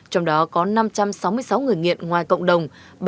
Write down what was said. trong đó có năm trăm sáu mươi sáu người nghiện ngoài cộng đồng